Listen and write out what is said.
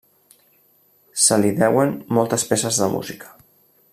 Se li deuen moltes peces de música.